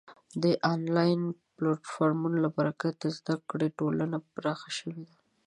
د آنلاین پلتفورمونو له برکته د زده کړې ټولنې پراخه شوې ده.